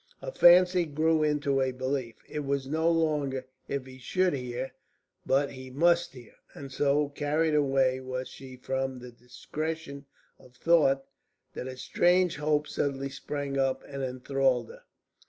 Her fancy grew into a belief. It was no longer "If he should hear," but "He must hear!" And so carried away was she from the discretion of thought that a strange hope suddenly sprang up and enthralled her.